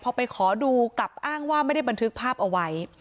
พอไปขอดูกลับอ้างว่าไม่ได้บันทึกภาพเอาไว้